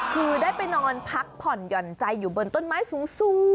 คือได้ไปนอนพักผ่อนหย่อนใจอยู่บนต้นไม้สูง